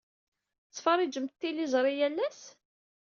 Tettferriǧemt tiliẓri yal ass?